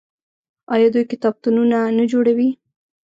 آیا دوی کتابتونونه نه جوړوي؟